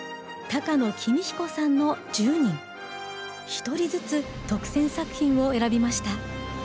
１人ずつ特選作品を選びました。